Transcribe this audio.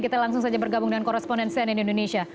kita langsung saja bergabung dengan korresponden sen in indonesia